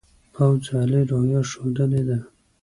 پوځ عالي روحیه ښودلې ده.